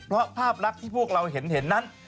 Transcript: เพราะภาพลักษณ์ที่พวกเราเห็นนั้น